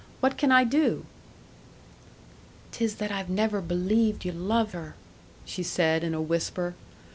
What can I do?" "'Tis that I've never believed you loved her," she said, in a whisper.